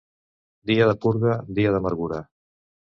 Dia de purga, dia d'amargura.